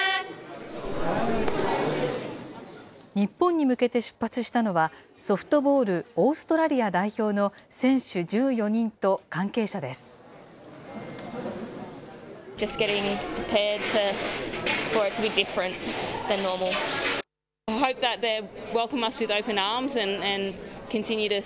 日本に向けて出発したのは、ソフトボールオーストラリア代表の選手１４人と関係者です。